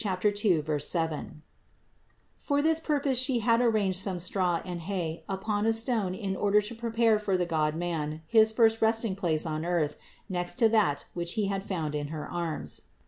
For 408 CITY OF GOD this purpose She had arranged some straw and hay upon a stone in order to prepare for the God Man his first resting place upon earth next to that which He had found in her arms.